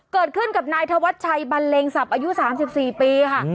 เกิดขึ้นกับนายธวัชชัยบันเลงสับอายุ๓๔ปีค่ะ